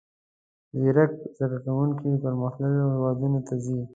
زیرک زده کوونکي پرمختللیو هیوادونو ته ځي.